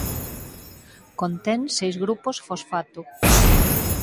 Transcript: Contén seis grupos fosfato.